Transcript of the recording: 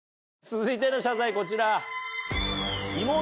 続いての謝罪こちら。